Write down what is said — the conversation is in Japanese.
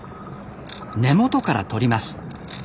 根元からとります。